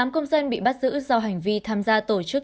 một mươi tám công dân bị bắt giữ do hành vi tham gia tổ chức